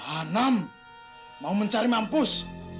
anam mau mencari mampus